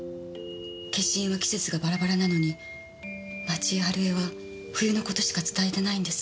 消印は季節がバラバラなのに町井春枝は冬の事しか伝えてないんです。